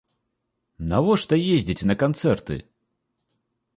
Навошта ездзіць на канцэрты?